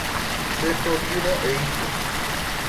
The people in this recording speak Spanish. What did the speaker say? Dejó viuda e hijos.